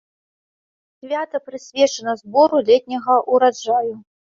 Свята прысвечана збору летняга ўраджаю.